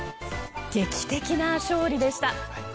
劇的な勝利でした。